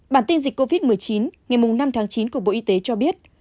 bản tin dịch covid một mươi chín ngày năm tháng chín của bộ y tế cho biết